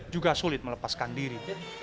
juga sulit melepaskan diri